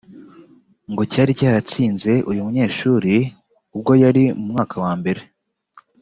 ngo cyari cyaratsinze uyu munyeshuri ubwo yari mu mwaka wa mbere